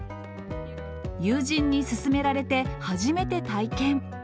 友人に勧められて、初めて体験。